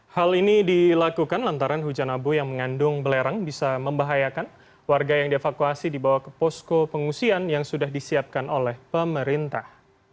hal ini dilakukan lantaran hujan abu yang mengandung belerang bisa membahayakan warga yang dievakuasi dibawa ke posko pengungsian yang sudah disiapkan oleh pemerintah